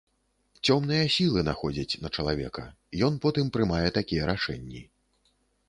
Цёмныя сілы находзяць на чалавека, ён потым прымае такія рашэнні.